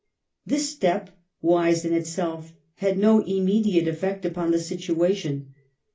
This step, wise in itself, had no immediate effect upon the situa tion.